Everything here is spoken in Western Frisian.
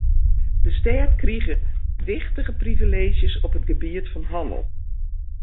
De stêd krige wichtige privileezjes op it gebiet fan hannel.